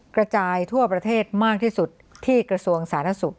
กระจายทั่วประเทศมากที่สุดที่กระทรวงศาลนักศึกษ์